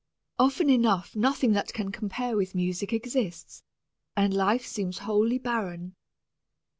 Often enough nothing that can compare with music exists, and life seems wholly barren.